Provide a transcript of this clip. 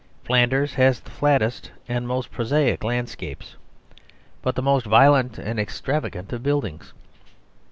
Flanders has the flattest and most prosaic landscapes, but the most violent and extravagant of buildings.